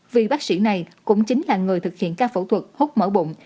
vì bác sĩ này cũng chính là người thực hiện các phẫu thuật hút mở bụng